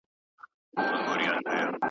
کرۍ ورځ به خلک تلله او راتلله .